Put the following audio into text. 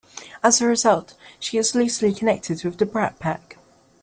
As a result, she is loosely connected with the Brat Pack.